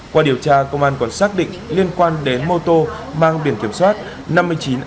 qua điều tra công an còn xác định liên quan đến mô tô mang biển kiểm soát năm mươi chín a ba một mươi một nghìn năm trăm tám mươi tám